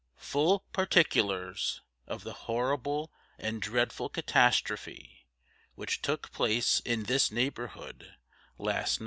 FULL PARTICULARS OF THE HORRIBLE AND DREADFUL CATASTROPHE WHICH TOOK PLACE IN THIS NEIGHBOURHOOD, LAST NIGHT.